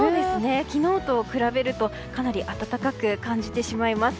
昨日と比べるとかなり暖かく感じてしまいます。